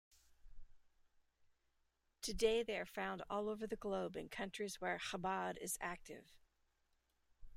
Today they are found all over the globe in countries where Chabad is active.